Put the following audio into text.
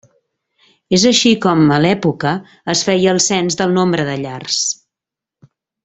És així com, a l'època, es feia el cens del nombre de llars.